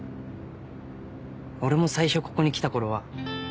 俺も最初ここに来たころは。